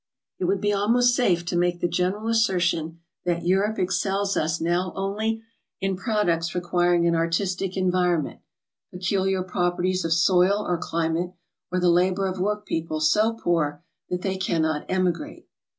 It would be almost safe to make the general assertion that Europe excels us now only in products requiring an artis tic environment, peculiar properties of soil or climate, or the labor ot work people so poor that they cannot emi grate.